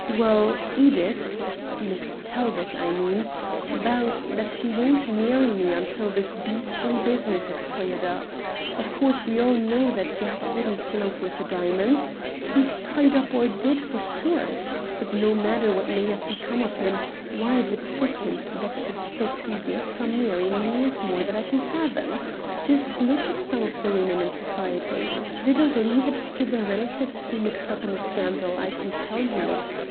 Well, Edith Miss Talbot, I mean vows that she won't marry me until this beastly business is cleared up. Of course, we all know that Jack didn't slope with the diamonds. He's tied up or dead, for sure. But no matter what may have become of him why the dickens that should stop Edith from marrying me is more than I can fathom. Just look at some of the women in Society. They don't leave it to their relatives to be mixed up in a scandal, I can tell you.